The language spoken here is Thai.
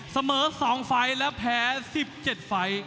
เสมอ๒ไฟล์และแพ้๑๗ไฟล์